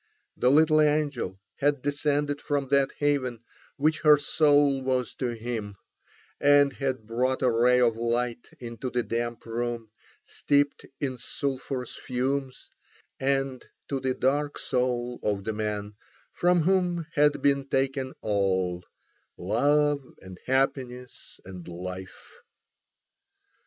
The little angel had descended from that heaven which her soul was to him, and had brought a ray of light into the damp room, steeped in sulphurous fumes, and to the dark soul of the man from whom had been taken all: love, and happiness, and life.